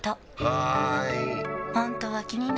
はーい！